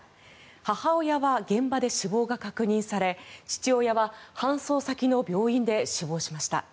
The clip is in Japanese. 母親は現場で死亡が確認され父親は搬送先の病院で死亡しました。